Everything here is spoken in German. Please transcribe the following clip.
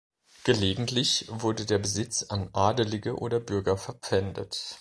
Gelegentlich wurde der Besitz an Adelige oder Bürger verpfändet.